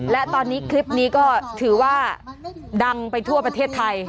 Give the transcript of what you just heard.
และตอนนี้คลิปนี้ก็ถือว่าดังไปทั่วประเทศไทย